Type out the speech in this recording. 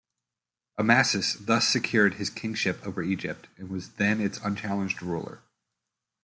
Amasis thus secured his kingship over Egypt and was then its unchallenged ruler.